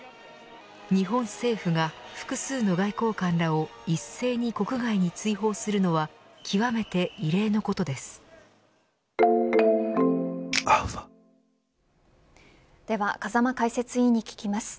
日本政府が複数の外交官らを一斉に国外に追放するのは極めて異例のことです。